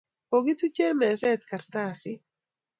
Kokituchee mezet karatasit